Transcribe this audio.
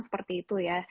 seperti itu ya